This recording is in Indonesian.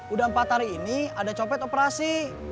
udah empat hari ini ada copet operasi